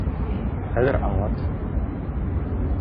Хәҙер аңлат!